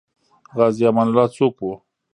غازي امان الله څوک وو؟